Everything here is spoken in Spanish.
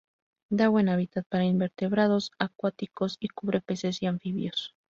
Da buen hábitat para invertebrados acuáticos y cubre peces y anfibios.